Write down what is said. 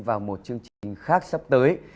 vào một chương trình khác sắp tới